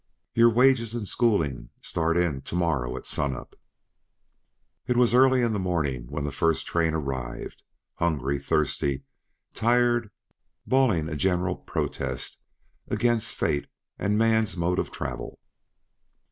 "Your wages and schooling start in to morrow at sunup." It was early in the morning when the first train arrived, hungry, thirsty, tired, bawling a general protest against fate and man's mode of travel.